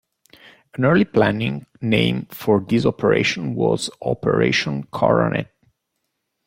An early planning name for this operation was Operation Coronet.